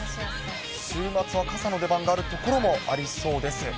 週末は傘の出番がある所もありそうです。